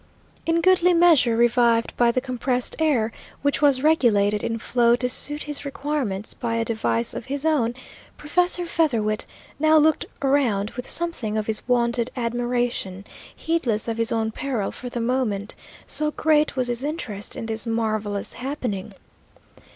In goodly measure revived by the compressed air, which was regulated in flow to suit his requirements by a device of his own, Professor Featherwit now looked around with something of his wonted animation, heedless of his own peril for the moment, so great was his interest in this marvellous happening.